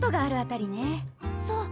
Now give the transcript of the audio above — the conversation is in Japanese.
そう。